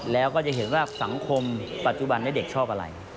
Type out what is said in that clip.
แล้วก็จะเห็นว่าสังคมปัจจุบันเด็กชอบอะไร